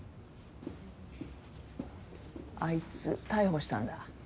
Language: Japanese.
あいつ逮捕したんだ。